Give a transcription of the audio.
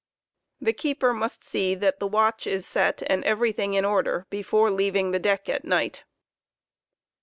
The keeper must see that the watch is set and everything in order before leaving the deck at night.